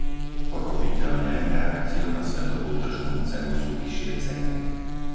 Pochopiteľne, reakciou na svetovú tržnú cenu sú vyššie ceny.